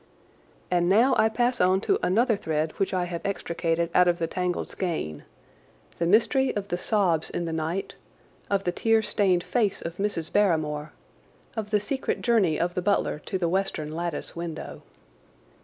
And now I pass on to another thread which I have extricated out of the tangled skein, the mystery of the sobs in the night, of the tear stained face of Mrs. Barrymore, of the secret journey of the butler to the western lattice window.